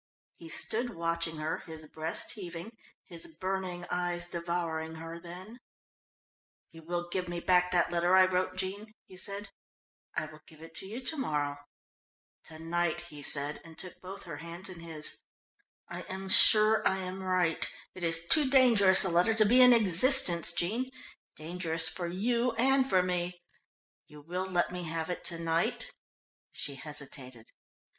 He stood watching her, his breast heaving, his burning eyes devouring her, then: "You will give me back that letter I wrote, Jean?" he said. "I will give it to you to morrow." "To night," he said, and took both her hands in his. "I am sure I am right. It is too dangerous a letter to be in existence, Jean, dangerous for you and for me you will let me have it to night?" She hesitated.